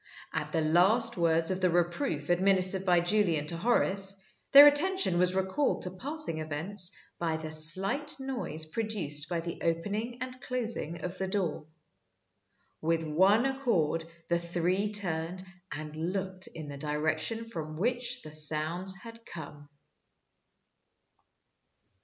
At the last words of the reproof administered by Julian to Horace, their attention was recalled to passing events by the slight noise produced by the opening and closing of the door. With one accord the three turned and looked in the direction from which the sounds had come.